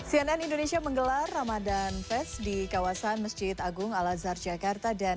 hai cnn indonesia menggelar ramadan fest di kawasan masjid agung al azhar jakarta dan